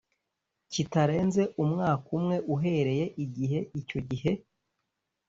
kitarenze umwaka umwe uhereye igihe icyo gihe